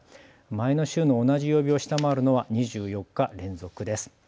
前の週の同じ曜日を下回るのは２４日連続です。